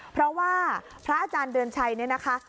เพราะว่าพระอาจารย์เดือนชัยเนี่ยนะคะ